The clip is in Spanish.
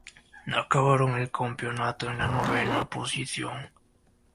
Acabaron el campeonato en la novena posición.